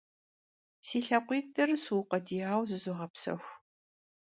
Si lhakhuitır sıukhuediyaue zızoğepsexu.